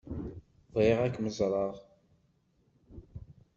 Bɣiɣ ad kem-ẓṛeɣ.